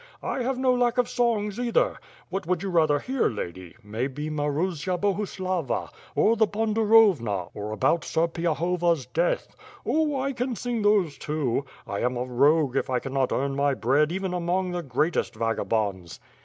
I have no lack of songs, either. What would you rather hear, lady, may be Marusia Bohuslava, Or the Bondarovna or about Serpiahova's death? Oh, I can sing these too. I am a rogue if 1 canot earn my bread even among the greatest vagabonds!"